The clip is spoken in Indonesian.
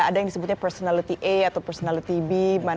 ada yang disebutnya personality a atau personality b